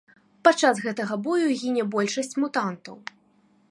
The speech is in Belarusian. Падчас гэтага бою гіне большасць мутантаў.